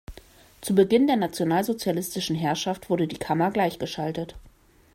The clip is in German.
Zu Beginn der nationalsozialistischen Herrschaft wurde die Kammer gleichgeschaltet.